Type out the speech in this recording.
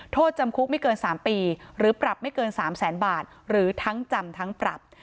โทษจำคุกไม่เกิน๓ปีหรือปรับไม่เกิน๓แสนบาทหรือทั้งจำทั้งปรับ